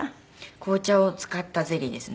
紅茶を使ったゼリーですね。